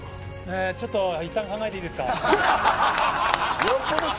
ちょっといったん考えていいですか。